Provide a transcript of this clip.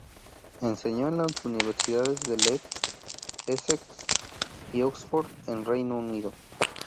Enseñó en las Universidades de Leeds, Essex y Oxford en el Reino Unido.